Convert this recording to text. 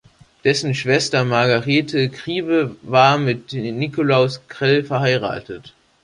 Dessen Schwester Magarethe Griebe war mit Nikolaus Krell verheiratet.